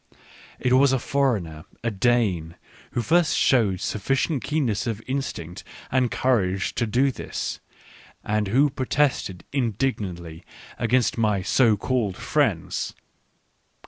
It was a foreigner, a Dane, who first showed sufficient keenness of instinct and of courage to do this, and who protested indignantly against my so called friends.